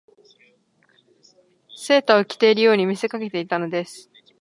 以てセーターを着ているように見せかけていたのです